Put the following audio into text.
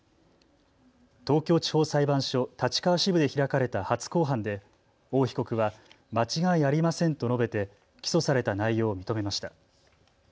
東京地方裁判所立川支部で開かれた初公判で王被告は間違いありませんと述べて起訴された内容を認めました。